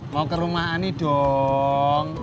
mau ke rumah ini dong